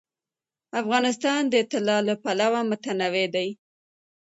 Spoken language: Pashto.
افغانستان د طلا له پلوه متنوع دی.